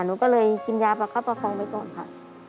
หนูก็เลยกินยาประคับประคองไว้ก่อนค่ะ